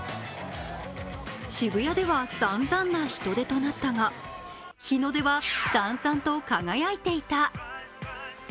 渋谷ではさんざんな人出となったが、日の出はさんさんと輝いていた。